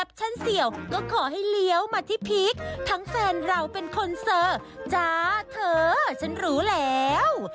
เสี่ยวก็ขอให้เลี้ยวมาที่พีคทั้งแฟนเราเป็นคนเซอร์จ้าเธอฉันรู้แล้ว